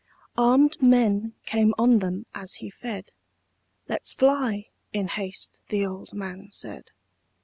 Arm'd men came on them as he fed: "Let's fly," in haste the old man said.